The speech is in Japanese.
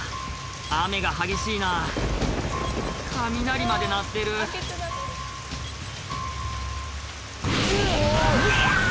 雨が激しいな雷まで鳴ってる嫌！